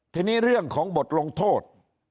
ทีนี้เรื่องของบทลงโทษ